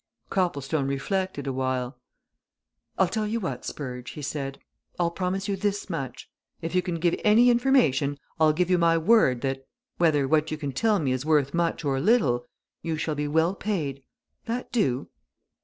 Copplestone reflected awhile. "Ill tell you what, Spurge," he said. "I'll promise you this much. If you can give any information I'll give you my word that whether what you can tell is worth much or little you shall be well paid. That do?"